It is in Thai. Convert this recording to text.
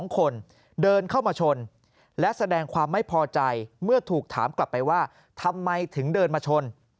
๒คนเดินเข้ามาชนและแสดงความไม่พอใจเมื่อถูกถามกลับไปว่าทำไมถึงเดินมาชน